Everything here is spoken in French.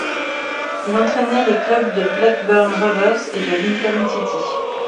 Il entrainait les clubs de Blackburn Rovers et de Lincoln City.